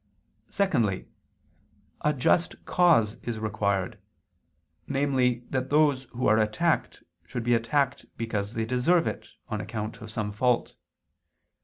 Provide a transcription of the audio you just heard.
Secondly, a just cause is required, namely that those who are attacked, should be attacked because they deserve it on account of some fault.